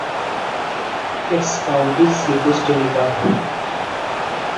Its county seat is Tunica.